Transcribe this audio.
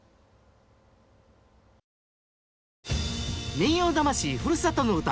「民謡魂ふるさとの唄」。